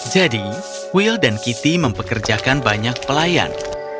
jadi will dan kitty mempekerjakan banyak pelayan